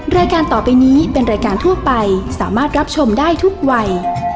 รายการต่อไปนี้เป็นรายการทั่วไปสามารถรับชมได้ทุกวัย